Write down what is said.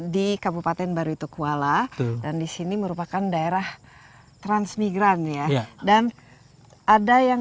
di kabupaten baru itu kuala dan disini merupakan daerah transmigran ya dan ada yang